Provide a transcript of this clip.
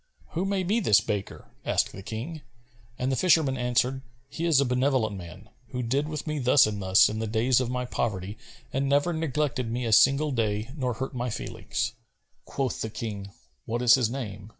"Who may be this baker?" asked the King; and the fisherman answered, "He is a benevolent man, who did with me thus and thus in the days of my poverty and never neglected me a single day nor hurt my feelings." Quoth the King, "What is his name?"